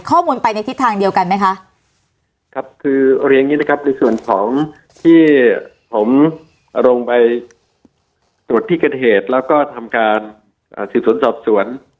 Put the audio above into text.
ข้อมูลไปในทิศทางเดียวกันไหมคะครับคือเรียนอย่างนี้นะครับในส่วนของที่ผมลงไปตรวจที่เกิดเหตุแล้วก็ทำการสืบสวนสอบสวน